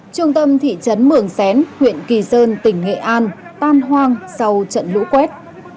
trung tâm thị trấn mường xén huyện kỳ sơn tỉnh nghệ an tan hoang sau trận lũ quét